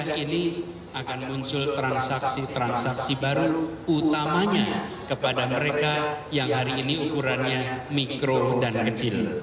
ini akan muncul transaksi transaksi baru utamanya kepada mereka yang hari ini ukurannya mikro dan kecil